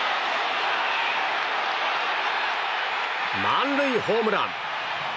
満塁ホームラン。